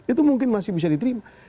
itu mungkin masih bisa diterima